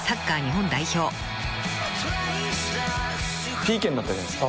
ＰＫになったじゃないですか。